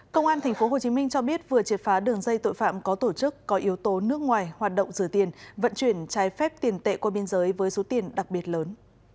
công an tp hcm cho biết vừa triệt phá đường dây tội phạm có tổ chức có yếu tố nước ngoài hoạt động rửa tiền vận chuyển trái phép tiền tệ qua biên giới với số tiền đặc biệt lớn